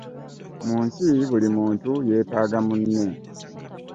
mu nsi buli muntu yeetaaga munne.